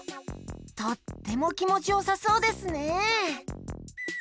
とってもきもちよさそうですね。